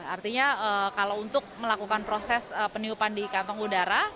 artinya kalau untuk melakukan proses peniupan di kantong udara